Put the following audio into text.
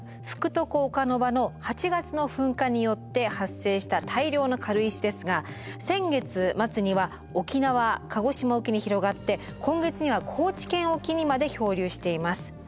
福徳岡ノ場の８月の噴火によって発生した大量の軽石ですが先月末には沖縄鹿児島沖に広がって今月には高知県沖にまで漂流しています。